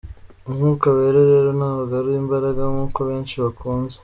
Umwuka Wera rero ntabwo ari imbaraga nkuko benshi bakunze.